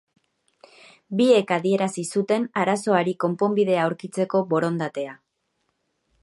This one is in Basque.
Biek adierazi zuten arazoari konponbidea aurkitzeko borondatea.